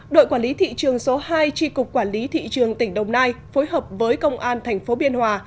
đội quản lý thị trường số hai tri cục quản lý thị trường tỉnh đồng nai phối hợp với công an tp biên hòa